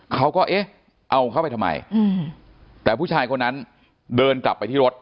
เขาก็เอ๊ะเอาเข้าไปทำไมแต่ผู้ชายคนนั้นเดินกลับไปที่รถ